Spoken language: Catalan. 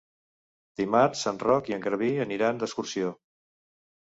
Dimarts en Roc i en Garbí aniran d'excursió.